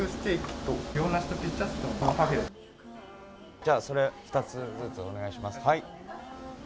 じゃあ、それ２つずつお願いします。